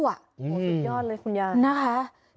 โอ้โฮสุดยอดเลยคุณยาย